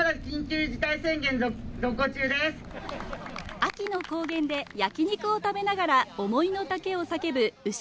秋の高原で焼き肉を食べながら思いの丈を叫ぶ牛